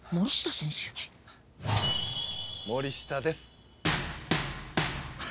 森下です。